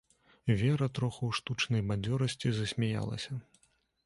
Вера троху ў штучнай бадзёрасці засмяялася.